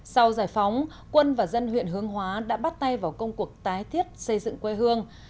sau giải phóng quân và dân huyện hướng hóa đã bắt tay vào công cuộc tái thiết xây dựng quê hương